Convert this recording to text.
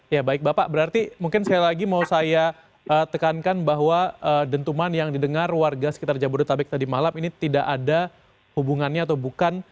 ya baik bapak berarti mungkin sekali lagi mau saya tekankan bahwa dentuman yang didengar warga sekitar jabodetabek tadi malam ini tidak ada hubungannya atau bukan